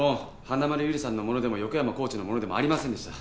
花村友梨さんのものでも横山コーチのものでもありませんでした。